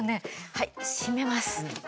はい閉めます。